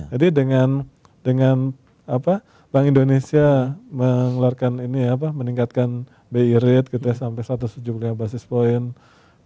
jadi dengan bank indonesia mengeluarkan ini ya apa meningkatkan bi rate gitu ya sampai satu ratus tujuh puluh basis point